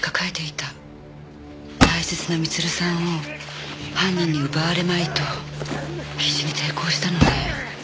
大切な光留さんを犯人に奪われまいと必死に抵抗したのね。